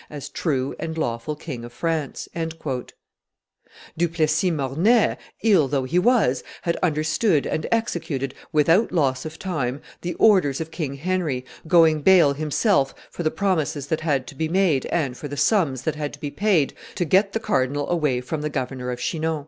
as true and lawful king of France." Du Plessis Mornay, ill though he was, had understood and executed, without loss of time, the orders of King Henry, going bail himself for the promises that had to be made and for the sums that had to be paid to get the cardinal away from the governor of Chinon.